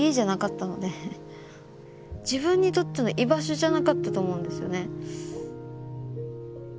自分にとっての居場所じゃなかったと思うんですよね。